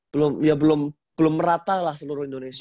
belum ya belum merata lah seluruh indonesia